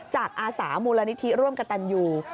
อาสามูลนิธิร่วมกับตันยู